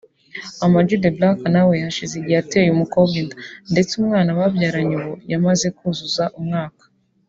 Ama-G The Black nawe hashize igihe ateye umukobwa inda ndetse umwana babyaranye ubu yamaze kuzuza umwaka